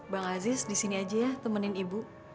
bang aziz di sini aja ya temenin ibu